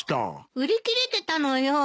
売り切れてたのよ。